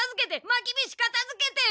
まきびしかたづけて！